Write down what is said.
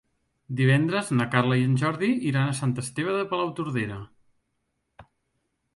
Divendres na Carla i en Jordi iran a Sant Esteve de Palautordera.